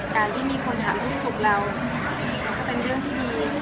การที่มีคนถามว่าคุณสุขเราก็จะเป็นเรื่องที่ดี